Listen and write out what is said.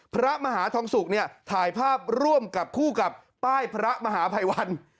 พระมหาทองสุกเนี่ยถ่ายภาพร่วมกับคู่กับป้ายพระมหาภัยวัน